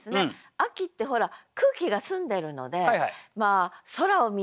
秋ってほら空気が澄んでるので空を見上げる。